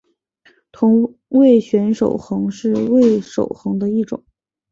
同位旋守恒是味守恒的一种。